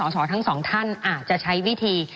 ไม่ได้เป็นประธานคณะกรุงตรี